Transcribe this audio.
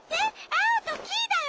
アオとキイだよ！